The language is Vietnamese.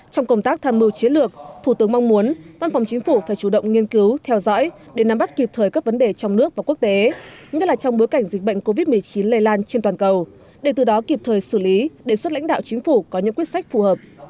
trong công tác tham mưu chiến lược thủ tướng mong muốn văn phòng chính phủ phải chủ động nghiên cứu theo dõi để nắm bắt kịp thời các vấn đề trong nước và quốc tế nhất là trong bối cảnh dịch bệnh covid một mươi chín lây lan trên toàn cầu để từ đó kịp thời xử lý đề xuất lãnh đạo chính phủ có những quyết sách phù hợp